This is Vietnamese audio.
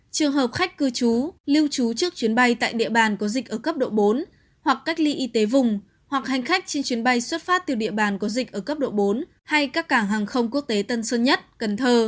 trường hợp khách cư trú lưu trú trước chuyến bay tại địa bàn có dịch ở cấp độ bốn hoặc cách ly y tế vùng hoặc hành khách trên chuyến bay xuất phát từ địa bàn có dịch ở cấp độ bốn hay các cảng hàng không quốc tế tân sơn nhất cần thơ